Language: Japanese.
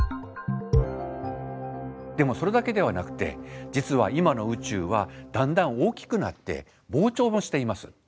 でもそれだけではなくて実は今の宇宙はだんだん大きくなって膨張もしています。